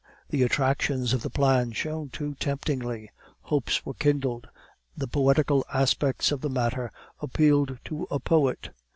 The attractions of the plan shone too temptingly, hopes were kindled, the poetical aspects of the matter appealed to a poet.